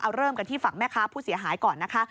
เอาเริ่มกันที่ฝั่งแม่ค้าผู้เสียหายก่อนนะคะ